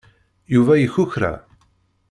Yuba yekukra.